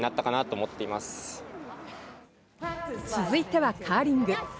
続いてはカーリング。